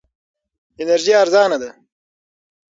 انرژي ارزانه ده.